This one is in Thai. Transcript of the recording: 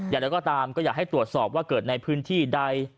อย่างไรก็ตามก็อยากให้ตรวจสอบว่าเกิดในพื้นที่ใด